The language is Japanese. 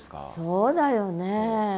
そうだよね。